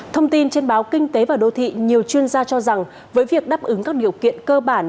thông tin trên báo kinh tế và đô thị nhiều chuyên gia cho rằng với việc đáp ứng các điều kiện cơ bản